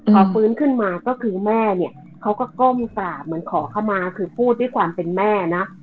พอฟื้นขึ้นมาก็คือแม่เนี่ยเขาก็ก้มกราบเหมือนขอเข้ามาคือพูดด้วยความเป็นแม่นะ